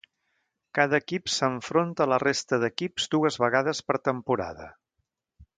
Cada equip s'enfronta a la resta d'equips dues vegades per temporada.